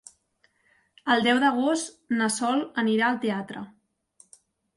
El deu d'agost na Sol anirà al teatre.